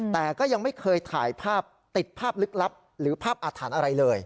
แต่ก็ยังไม่เคยถ่ายภาพติดภาพลึกลับหรือภาพอาถรรพ์อะไรเลย